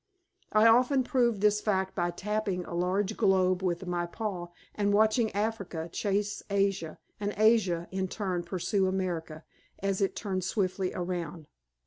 I often proved this fact by tapping a large globe with my paw and watching Africa chase Asia and Asia in turn pursue America as it turned swiftly around.